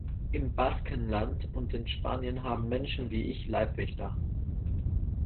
Im Baskenland und in Spanien haben Menschen wie ich Leibwächter.